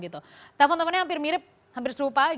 telepon teleponnya hampir mirip hampir serupa